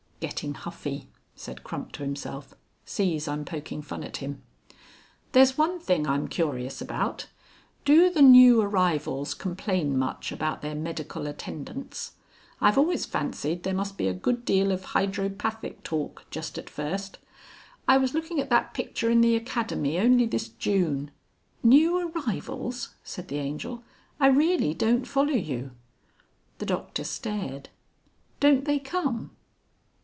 ("Getting huffy,") said Crump to himself. ("Sees I'm poking fun at him.") "There's one thing I'm curious about. Do the new arrivals complain much about their medical attendants? I've always fancied there must be a good deal of hydropathic talk just at first. I was looking at that picture in the Academy only this June...." "New Arrivals!" said the Angel. "I really don't follow you." The Doctor stared. "Don't they come?"